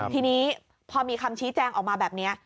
ทีนี้พอมีคำชี้แจงออกมาแบบนี้